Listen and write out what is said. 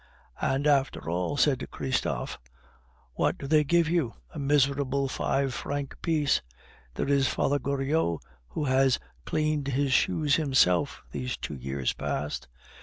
"And, after all," said Christophe, "what do they give you? A miserable five franc piece. There is Father Goriot, who has cleaned his shoes himself these two years past.